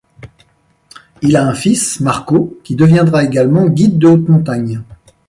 Il a un fils, Marco, qui deviendra également guide de haute montagne.